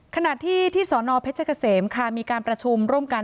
ขณะที่ที่สนเพชรเกษมค่ะมีการประชุมร่วมกัน